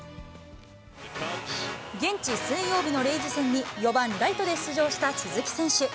現地水曜日のレイズ戦に、４番ライトで出場した鈴木選手。